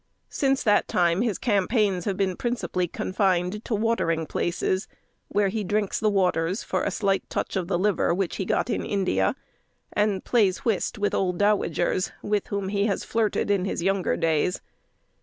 Since that time his campaigns have been principally confined to watering places; where he drinks the waters for a slight touch of the liver which he got in India; and plays whist with old dowagers, with whom he has flirted in his younger days.